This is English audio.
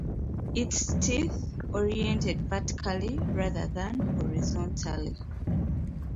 Its teeth oriented vertically rather than horizontally.